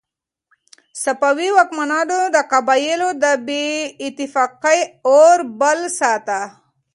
صفوي واکمنانو د قبایلو د بې اتفاقۍ اور بل ساته.